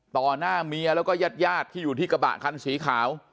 หน้าเมียแล้วก็ญาติญาติที่อยู่ที่กระบะคันสีขาว